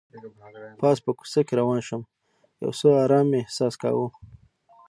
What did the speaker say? پاس په کوڅه کې روان شوم، یو څه ارام مې احساس کاوه.